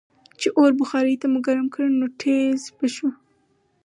چې اور بخارۍ ته مو ګرم کړ نو ټیزززز به شو.